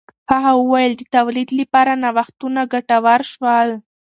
هغه وویل د تولید لپاره نوښتونه ګټور شول.